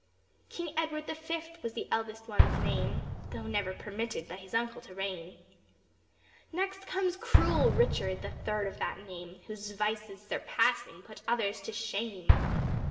King Edward the fifth was the eldest one's name, Though never permitted by his uncle to reign. Next comes cruel Richard, the third of that name, Whose vices surpassing put others to shame.